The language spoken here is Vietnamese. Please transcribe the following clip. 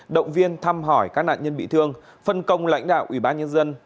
động viên thăm hỏi các nạn nhân bị thương phân công lãnh đạo ủy ban nhân dân